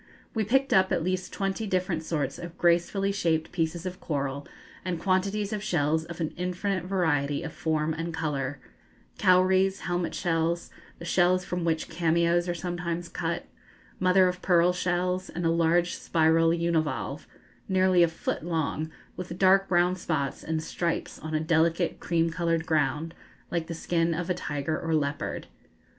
We picked up at least twenty different sorts of gracefully shaped pieces of coral, and quantities of shells of an infinite variety of form and colour; cowries, helmet shells, the shells from which cameos are sometimes cut; mother of pearl shells, and a large spiral univalve, nearly a foot long, with dark brown spots and stripes on a delicate cream coloured ground, like the skin of a tiger or leopard.